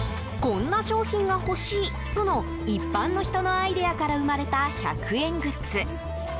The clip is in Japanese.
こんな商品が欲しいとの一般の人のアイデアから生まれた１００円グッズ。